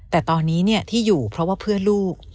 แต่ตอนนี้ที่อยู่เพราะว่าเพื่อนลูก